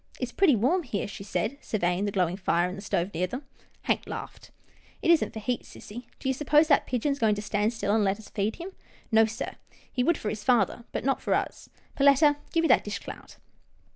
" It's pretty warm here," she said, surveying the glowing fire in the stove near them. Hank laughed. " It isn't for heat, sissy. Do you suppose that pigeon is going to stand still and let us feed him ? No, sir — he would for his father, but not for us. Perletta, give me that dish clout."